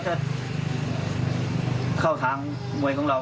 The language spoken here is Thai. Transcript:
เตรียมป้องกันแชมป์ที่ไทยรัฐไฟล์นี้โดยเฉพาะ